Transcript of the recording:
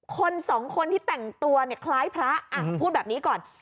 คนสองคนที่แต่งตัวเนี่ยคล้ายพระพูดแบบนี้ก่อน